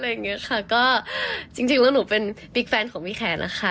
แล้วอย่างเงี้ยค่ะก็จริงแล้วหนูเป็นบิ๊กแฟนของพี่แคร์นะคะ